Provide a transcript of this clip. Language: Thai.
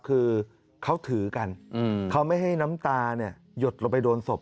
คือเขาถือกันเขาไม่ให้น้ำตาหยดลงไปโดนศพ